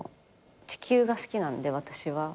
地球が好きなんで私は。